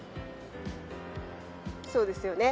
そうですよね。